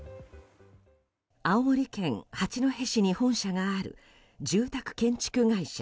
青森県八戸市に本社がある住宅建築会社